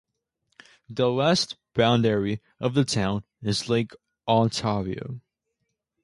The west boundary of the town is Lake Ontario.